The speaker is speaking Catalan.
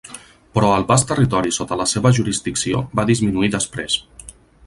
Però el vast territori sota la seva jurisdicció va disminuir després.